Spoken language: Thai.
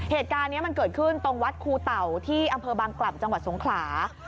เหตุการณ์นี้มันเกิดขึ้นตรงวัดคูเต่าที่อำเภอบางกล่ำจังหวัดสงขลา